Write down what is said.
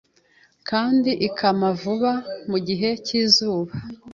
kandi ikama vuba. Mugihe cyizuba